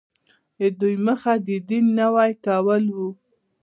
د دوی موخه د دین نوی کول وو.